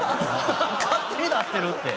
「勝手に出してる」って。